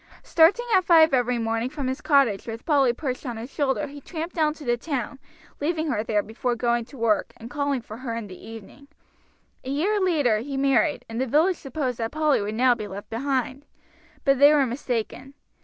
Starting at five every morning from his cottage with Polly perched on his shoulder he tramped down to the town, leaving her there before going to work, and calling for her in the evening. A year later he married, and the village supposed that Polly would now be left behind. But they were mistaken.